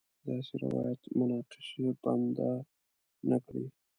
داسې روایت مناقشې بنده نه کړي.